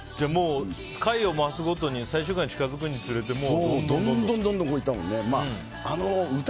回を増すごとに最終回に近づくにつれてもうどんどんいったもんね。